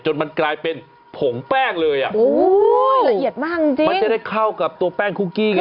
จนมันกลายเป็นผงแป้งเลยอ่ะมันจะได้เข้ากับตัวแป้งคุกกี้ไง